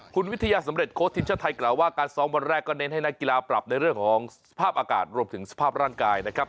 คุณวิทยาสำเร็จโค้ชทีมชาติไทยกล่าวว่าการซ้อมวันแรกก็เน้นให้นักกีฬาปรับในเรื่องของสภาพอากาศรวมถึงสภาพร่างกายนะครับ